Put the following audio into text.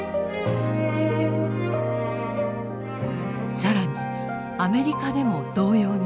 更にアメリカでも同様に調査。